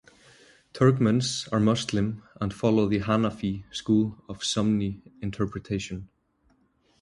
Turkmens are Muslim and follow the Hanafi school of Sunni interpretation.